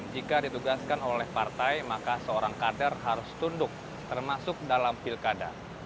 jika ditugaskan oleh partai maka seorang kader harus tunduk termasuk dalam pilkada